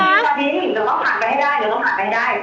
น้องฟาดินเดี๋ยวต้องหาไปให้ได้